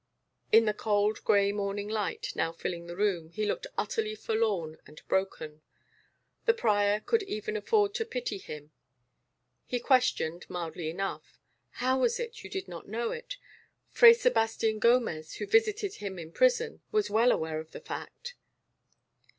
In the cold gray morning light, now filling the room, he looked utterly forlorn and broken. The prior could even afford to pity him. He questioned, mildly enough, "How was it you did not know it? Fray Sebastian Gomez, who visited him in prison, was well aware of the fact."